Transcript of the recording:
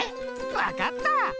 わかった。